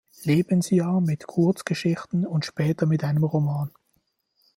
Lebensjahr mit Kurzgeschichten und später mit einem Roman.